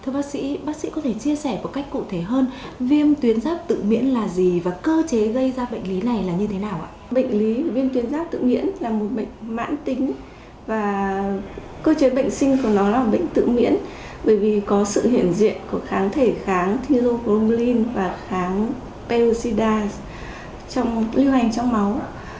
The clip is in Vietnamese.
viêm tuyến giáp tự miễn là một bệnh mạng tính và cơ chế bệnh sinh của nó là một bệnh tự miễn bởi vì có sự hiển diện của kháng thể kháng thilocrobilin và kháng pericida trong lưu hành trong máu